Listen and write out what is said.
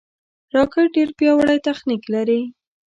راکټ ډېر پیاوړی تخنیک لري